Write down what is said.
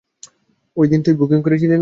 ওই দিন তুই বুকিং করেছিলি না?